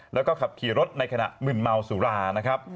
แล้วก็ขับขี่รถในขณะมึนเมาสุรานะครับ